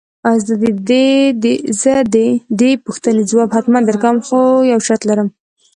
زه دې د دې پوښتنې ځواب حتماً درکوم خو يو شرط لرم.